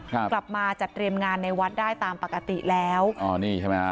กลับมาจัดเตรียมงานในวัดได้ตามปกติแล้วอ๋อนี่ใช่ไหมฮะ